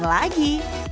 jadi lokasi syuting